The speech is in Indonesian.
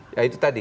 ya itu tadi